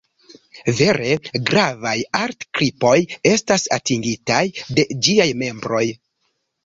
Vere gravaj art-kripoj estas atingitaj de ĝiaj membroj.